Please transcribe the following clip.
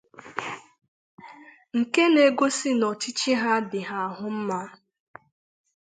nke na-egosi na ọchịchị ha dị ha ahụ mma.